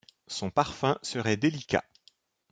Son parfum serait délicat.